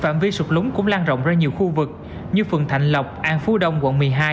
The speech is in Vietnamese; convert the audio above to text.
phạm vi sụp lúng cũng lan rộng ra nhiều khu vực như phường thạnh lộc an phú đông quận một mươi hai